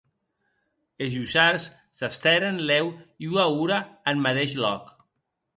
Es ussars s’estèren lèu ua ora en madeish lòc.